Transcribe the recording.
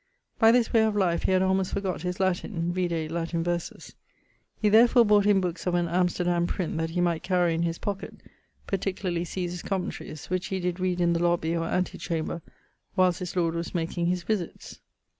By this way of life he had almost forgott his Latin; vide Latin verses. He therefore bought him bookes of an Amsterdam print that he might carry in his pocket (particularly Caesar's Commentarys), which he did read in the lobbey, or ante chamber, whilest his lord was making his visits.